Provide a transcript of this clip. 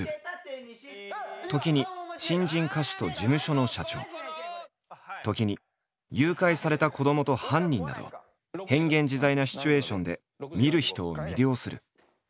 時に新人歌手と事務所の社長時に誘拐された子どもと犯人など変幻自在なシチュエーションで見る人を魅了する。